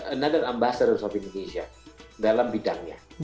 another ambustor of indonesia dalam bidangnya